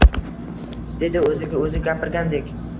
Dedi o`ziga-o`zi gapirgandek